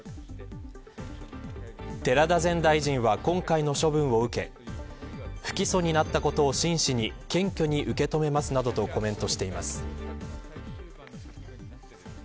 寺田前大臣は今回の処分を受け不起訴になったことを真摯に謙虚に受け止めますなどとコメントしています。